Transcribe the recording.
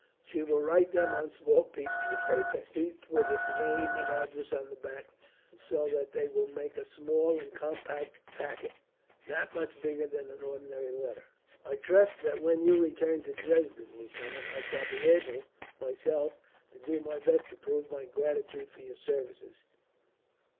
She will write them on small pieces of paper, each with its name and address on the back, so that they will make a small and compact packet, not much bigger than an ordinary letter. "I trust that when you return to Dresden, lieutenant, I shall be able, myself, to do my best to prove my gratitude for your services."